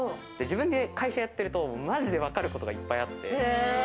自分で会社やっていると、マジでわかることがいっぱいあって。